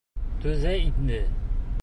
Түҙә инде.